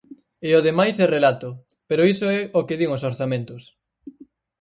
E o demais é relato, pero iso é o que din os orzamentos.